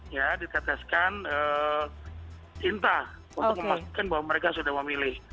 ya diceteskan jinta untuk memastikan bahwa mereka sudah memilih